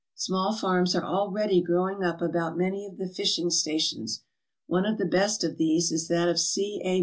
Small farms are already growing up about many of the fishing stations. One of the best of these is that of C. A.